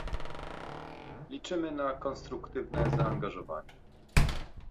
Liczymy na konstruktywne zaangażowanie